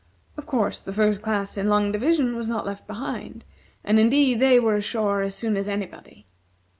Of course the First Class in Long Division was not left behind; and, indeed, they were ashore as soon as anybody.